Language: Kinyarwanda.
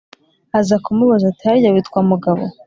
aza kumubaza, ati:”harya witwa mugabo?